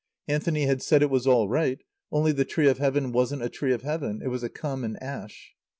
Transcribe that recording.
Anthony had said it was all right, only the tree of Heaven wasn't a tree of Heaven; it was a common ash.